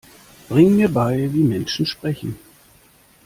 Bring mir bei, wie Menschen sprechen!